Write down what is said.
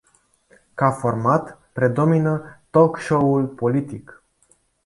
Ca format, predomina talk show-ul politic.